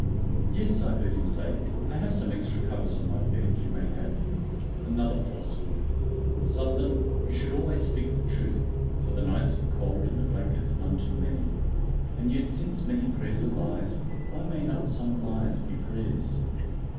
"Yes," I heard him say, "I have some extra covers on my bed you may have." "Another falsehood. Sullivan, you should always speak the truth." For the nights were cold and the blankets none too many. And yet since many prayers are lies, why may not some lies be prayers?